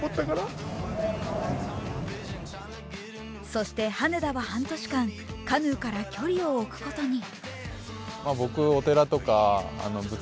そして羽根田は半年間、カヌーから距離をおくことに。